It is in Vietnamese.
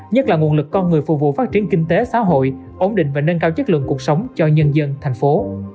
nhất là nguồn lực con người phục vụ phát triển kinh tế xã hội ổn định và nâng cao chất lượng cuộc sống cho nhân dân thành phố